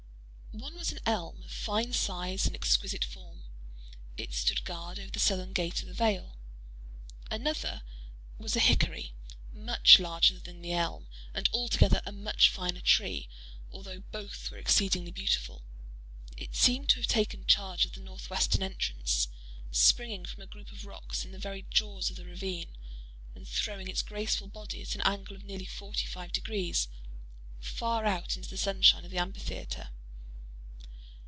One was an elm of fine size and exquisite form: it stood guard over the southern gate of the vale. Another was a hickory, much larger than the elm, and altogether a much finer tree, although both were exceedingly beautiful: it seemed to have taken charge of the northwestern entrance, springing from a group of rocks in the very jaws of the ravine, and throwing its graceful body, at an angle of nearly forty five degrees, far out into the sunshine of the amphitheatre.